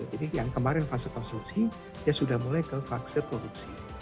jadi yang kemarin fase konsumsi dia sudah mulai ke fase produksi